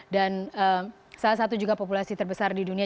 dan salah satu juga populasi terbesar di dunia